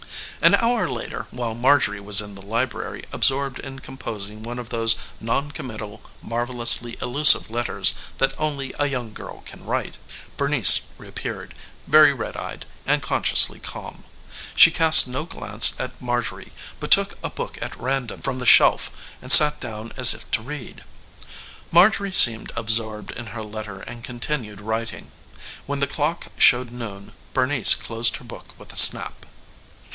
An hour later, while Marjorie was in the library absorbed in composing one of those non committal marvelously elusive letters that only a young girl can write, Bernice reappeared, very red eyed, and consciously calm. She cast no glance at Marjorie but took a book at random from the shelf and sat down as if to read. Marjorie seemed absorbed in her letter and continued writing. When the clock showed noon Bernice closed her book with a snap.